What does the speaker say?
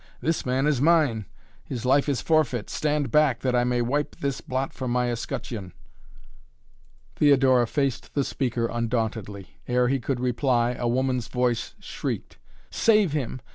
"This man is mine! His life is forfeit. Stand back, that I may wipe this blot from my escutcheon." Theodora faced the speaker undauntedly. Ere he could reply, a woman's voice shrieked. "Save him!